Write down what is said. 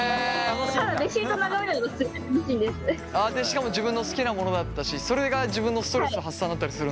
しかも自分の好きなモノだったしそれが自分のストレス発散だったりするんだ。